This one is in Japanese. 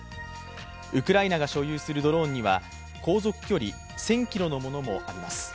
ウクライナが所有するドローンには航続距離１０００ｋｍのものもあります。